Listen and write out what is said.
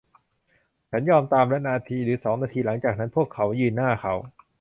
ฉันยอมตาม และนาทีหรือสองนาทีหลังจากนั้นพวกเขายืนหน้าเขา